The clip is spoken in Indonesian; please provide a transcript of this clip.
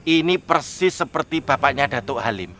ini persis seperti bapaknya datuk halim